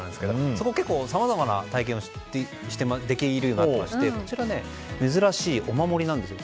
そこ、結構さまざまな体験をできるようになっていましてこちら、珍しいお守りなんです。